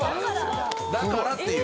だからっていう。